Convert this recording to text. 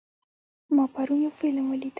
ما پرون یو فلم ولید.